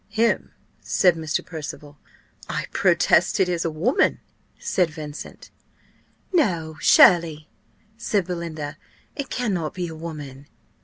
"Him!" said Mr. Percival. "I protest it is a woman!" said Vincent. "No, surely," said Belinda: "it cannot be a woman!"